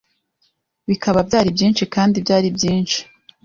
Bikaba byari byinshi kandi byari byinshi